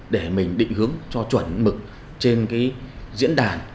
để mình định hướng cho chuẩn mực trên diễn đàn